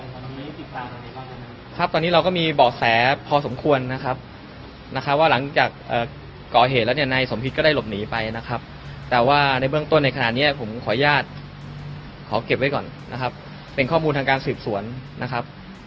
ครับครับความสุดแน่ขดีที่กลับสมควรของสมคิจก็ได้หลบหนีไปนะครับแต่ว่าในเมืองต้นในขณะนี้ผมขออนุญาตขอเก็บไว้ก่อนนะครับเป็นข้อมูลทางการสืบสวนนะครับ